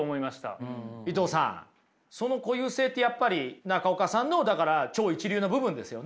伊藤さんその固有性ってやっぱり中岡さんのだから超一流な部分ですよね。